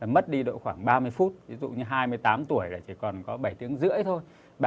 mất đi độ khoảng ba mươi phút ví dụ như hai mươi tám tuổi là chỉ còn có bảy tiếng rưỡi thôi